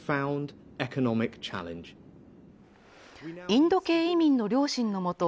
インド系移民の両親のもと